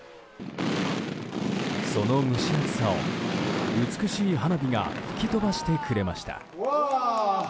その蒸し暑さを、美しい花火が吹き飛ばしてくれました。